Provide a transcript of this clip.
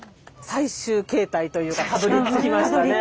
最終形態というかたどりつきましたね。